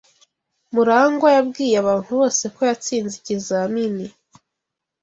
Murangwa yabwiye abantu bose ko yatsinze ikizamini.